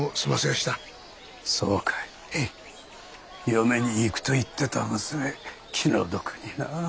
嫁に行くと言ってた娘気の毒になぁ。